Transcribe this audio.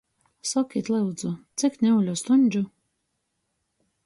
Sokit, lyudzu, cik niule stuņžu?